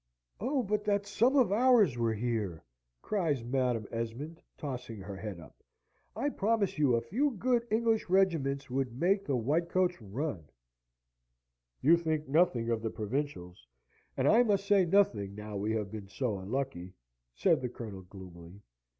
"Oh, but that some of ours were here!" cries Madam Esmond, tossing her head up. "I promise you a few good English regiments would make the white coats run." "You think nothing of the provincials: and I must say nothing now we have been so unlucky," said the Colonel, gloomily.